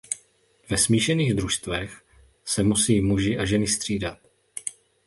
Ve smíšených družstvech se musí muži a ženy střídat.